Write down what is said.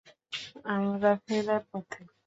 আমরা ফেরার পথে।